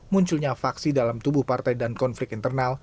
munculnya faksi dalam tubuh partai dan konflik internal